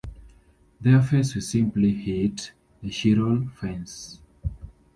The re face will simply hit the chiral fence.